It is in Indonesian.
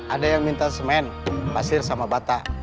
ada yang minta semen pasir sama batak